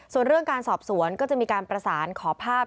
ส่วนเรื่องการสอบสวนก็จะมีการประสานขอภาพ